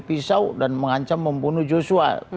pisau dan mengancam membunuh joshua